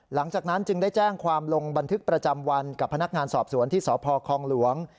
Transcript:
หลังจากนั้นจึงได้แจ้งความลงบันทึกประจำวันกับพนักงานสอบสวนที่สพคองหลวง